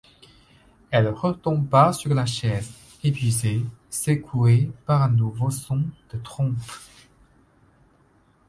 Elle retomba sur la chaise, épuisée, secouée par un nouveau son de trompe.